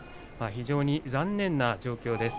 非常に残念な状況です。